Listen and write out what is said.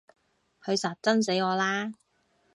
佢實憎死我啦！